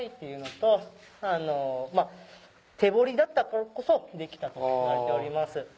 手掘りだったからこそできたといわれております。